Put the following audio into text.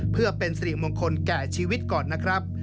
เพื่อเป็นสิริมงคลแก่ชีวิตก่อนนะครับ